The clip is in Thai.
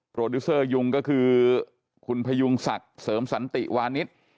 ดิวเซอร์ยุงก็คือคุณพยุงศักดิ์เสริมสันติวานิส